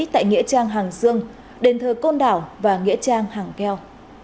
tại nghĩa trang hàng dương đền thờ côn đảo và nghĩa trang hàng keo